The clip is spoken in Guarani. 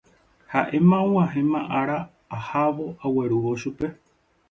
Haʼéma og̃uahẽma ára ahávo aguerúvo chupe.